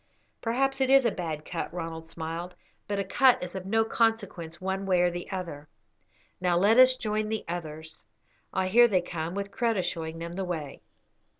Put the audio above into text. "Perhaps it is a bad cut," Ronald smiled, "but a cut is of no consequence one way or the other. Now let us join the others. Ah, here they come, with Kreta showing them the way."